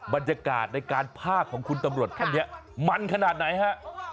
บรรยากาศในการพากของคุณตำรวจท่านนี้มันขนาดไหนฮะ